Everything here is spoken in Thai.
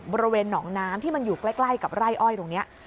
บริเวณหนองน้ำที่มันอยู่ใกล้กับไร่อ้อยตรงนี้